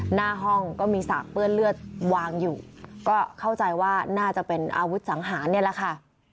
หน้าห้องก็มีสากเปื้อนเลือดวางอยู่ก็เข้าใจว่าน่าจะเป็นอาวุธสังหารเนี่ยแหละค่ะ